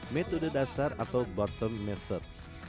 metode dasar atau bottom message